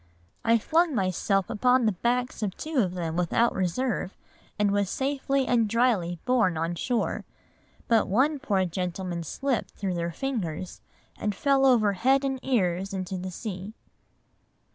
I flung myself upon the backs of two of them without reserve, and was safely and dryly borne on shore, but one poor gentleman slipped through their fingers, and fell over head and ears into the sea."